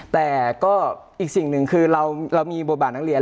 แต่ก็อีกสิ่งหนึ่งคือเรามีบทบาทนักเรียน